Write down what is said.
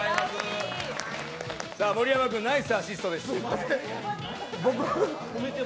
盛山君、ナイスアシストでした。